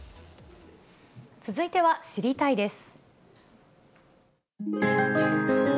続いては知りたいッ！です。